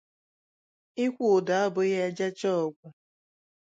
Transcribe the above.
Ịkwụ ụdọ abụghị ejechaa ọgwụ